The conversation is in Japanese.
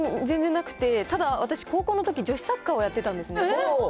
全然なくて、ただ、私、高校のとき、女子サッカーをやってたんですね。